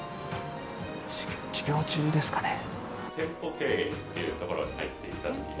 授業中ですかね。